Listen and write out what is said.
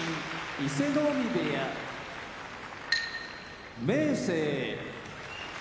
伊勢ノ海部屋明生